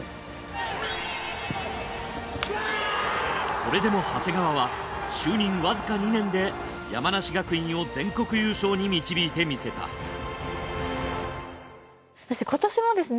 それでも長谷川は就任わずか２年で山梨学院を全国優勝に導いてみせたそして今年もですね